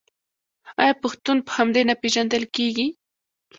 آیا پښتون په همدې نه پیژندل کیږي؟